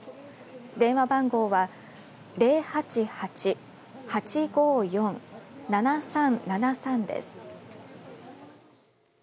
電話番号は０８８‐８５４‐７３７３です。